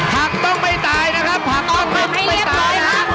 ผักต้องไม่ตายนะครับหนึ่งจะตายนะครับ